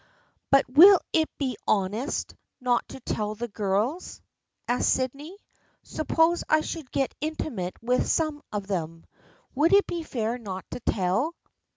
" But will it be honest not to tell the girls ?" asked Sydney. " Suppose I should get intimate with some of them. Would it be fair not to tell